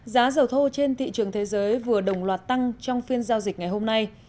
giá dầu thô trên thị trường thế giới vừa đồng loạt tăng trong phiên giao dịch ngày hôm nay